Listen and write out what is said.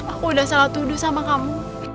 aku udah salah tuduh sama kamu